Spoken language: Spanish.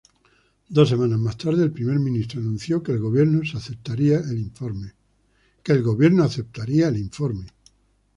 Dos semanas más tarde el primer ministro anunció que el gobierno aceptaría el informe.